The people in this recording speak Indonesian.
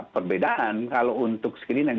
perbedaan kalau untuk sekeliling